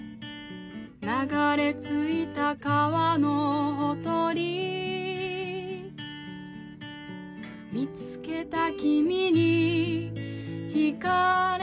「流れ着いた川のほとり」「見つけた君にひかれたんだ」